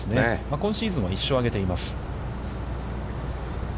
今シーズン１勝を上げています。